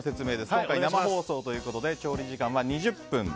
今回、生放送ということで調理時間は２０分。